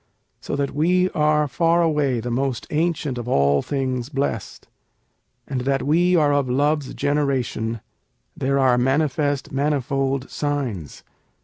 So that we are Far away the most ancient of all things blest. And that we are of Love's generation There are manifest manifold signs.